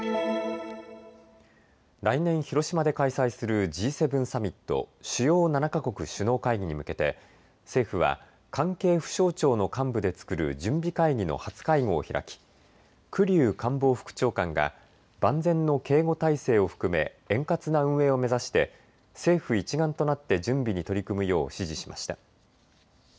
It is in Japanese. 来年、広島で開催するＧ７サミット・主要７か国首脳会議に向けて政府は関係府省庁の幹部で作る準備会議の初会合を開き栗生官房副長官が万全の警護態勢を含め円滑な運営を目指して政府一丸となって準備に取り組むよう指示しました。